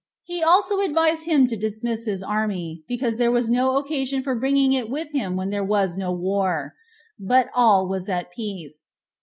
He also advised him to dismiss his army, because there was no occasion for bringing it with him when there was no war, but all was in peace.